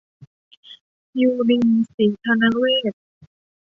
ยุลิน ศรีธนะเวทย์